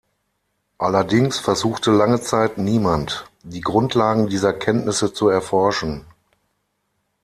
Allerdings versuchte lange Zeit niemand, die Grundlagen dieser Kenntnisse zu erforschen.